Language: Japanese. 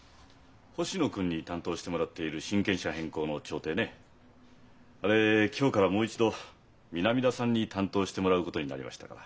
星野君に担当してもらっている親権者変更の調停ねあれ今日からもう一度南田さんに担当してもらうことになりましたから。